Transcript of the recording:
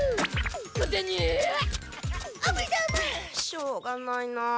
しょうがないなあ。